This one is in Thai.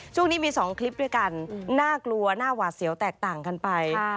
ช่วงนี้มี๒คลิปด้วยกันน่ากลัวน่าหวาดเสียวแตกต่างกันไป